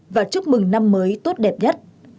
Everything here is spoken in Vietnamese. và chúc mừng năm mới tốt đẹp nhất